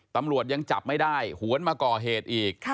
ตำรวจยังจับไม่ได้หวนมาก่อเหตุอีก